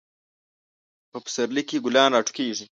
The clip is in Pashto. په پسرلی کې ګلان راټوکیږي.